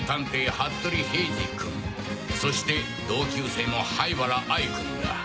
服部平次君そして同級生の灰原哀くんだ。